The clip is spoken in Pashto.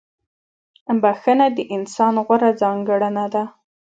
• بخښنه د انسان غوره ځانګړنه ده.